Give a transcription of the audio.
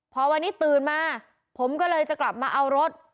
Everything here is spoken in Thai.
พอวันนี้ตื่นมาผมก็เลยจะกลับมาเอารถ